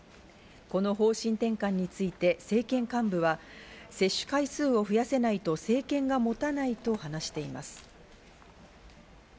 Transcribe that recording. この方針転換について政権幹部は、接種回数を増やせないと政権がもたないと話しています。